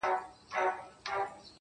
تا په درد كاتــــه اشــــنــــا.